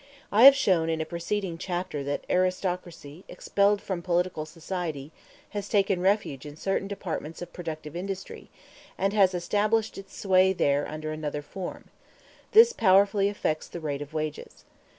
I have shown in a preceding chapter that aristocracy, expelled from political society, has taken refuge in certain departments of productive industry, and has established its sway there under another form; this powerfully affects the rate of wages.